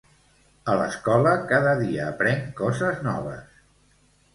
A l'escola cada dia aprenc coses noves